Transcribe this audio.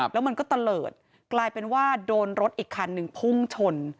แล้วมันก็ตะเลิศกลายเป็นว่าโดนรถอีกคันหนึ่งพุ่งชน